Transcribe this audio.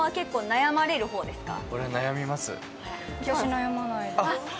悩まないです。